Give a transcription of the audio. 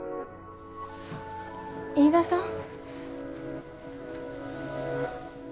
飯田さん？